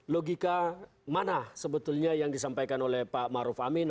logika mana sebetulnya yang disampaikan oleh pak maruf amin